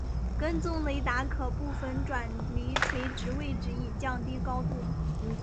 跟踪雷达可部分转离垂直位置以降低高度。